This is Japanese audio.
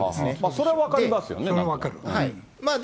それは分かりますよね。